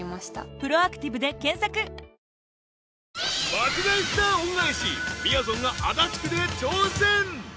［『爆買い☆スター恩返し』みやぞんが足立区で挑戦］